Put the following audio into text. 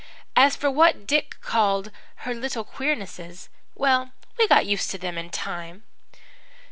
As for what Dick called her 'little queernesses' well, we got used to them in time.